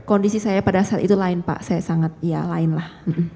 kondisi saya pada saat itu lain pak saya sangat ya lain lah